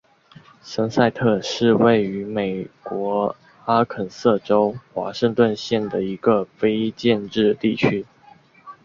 森塞特是位于美国阿肯色州华盛顿县的一个非建制地区。